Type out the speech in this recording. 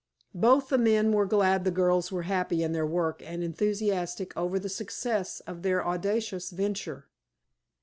Both the men were glad the girls were happy in their work and enthusiastic over the success of their audacious venture.